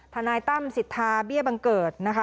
ทนายตั้มสิทธาเบี้ยบังเกิดนะคะ